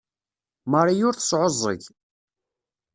Marie ur tesɛuẓẓeg.